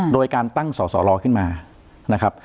โดยการตั้งส่อรอขึ้นมา